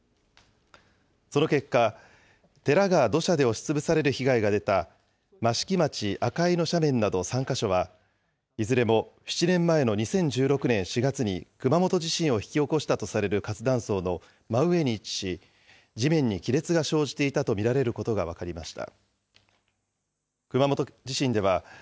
その結果、寺が土砂で押しつぶされる被害が出た益城町赤井の斜面など３か所は、いずれも７年前の２０１６年４月に熊本地震を引き起こしたとされる活断層の真上に位置し、地面に亀裂が生じていたと見られることが分かりました。